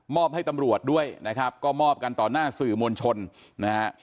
ให้ตำรวจด้วยนะครับก็มอบกันต่อหน้าสื่อมวลชนนะฮะ